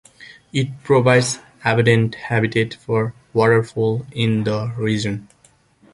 It provides abundant habitat for waterfowl in the region.